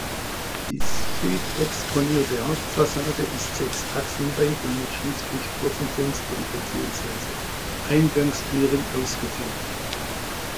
Die südexponierte Hauptfassade ist sechs Achsen weit und mit schlichten Sprossenfenstern beziehungsweise Eingangstüren ausgeführt.